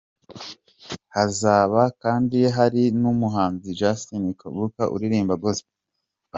Hazaba kandi hari n'umuhanzi Justin Cubaka uririmba gospel.